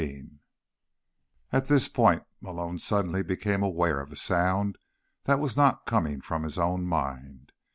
_ 14 At this point Malone suddenly became aware of a sound that was not coming from his own mind.